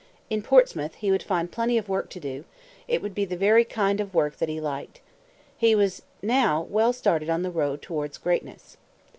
In Portsmouth he would find plenty of work to do; it would be the very kind of work that he liked. He was now well started on the road towards greatness.